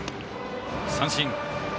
三振。